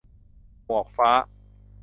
- หมวกฟ้า